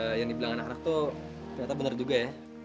ehm yang dibilang anak anak tuh ternyata bener juga ya